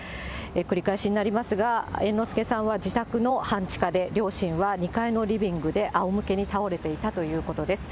繰り返しになりますが、猿之助さんは自宅の半地下で、両親は２階のリビングであおむけに倒れていたということです。